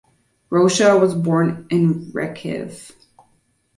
Rocha was born in Recife.